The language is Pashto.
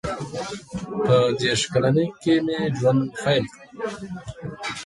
• په دېرش کلنۍ کې مې ژوند پیل کړ.